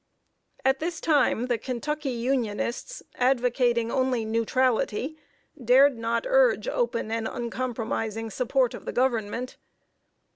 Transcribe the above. At this time, the Kentucky Unionists, advocating only "neutrality," dared not urge open and uncompromising support of the Government.